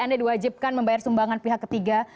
dan mencegah membayar sumbangan pihak ketiga